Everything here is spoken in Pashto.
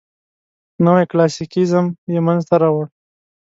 نوي کلاسیکیزم یې منځ ته راوړ.